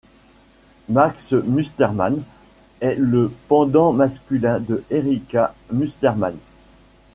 Max Mustermann est le pendant masculin de Erika Mustermann.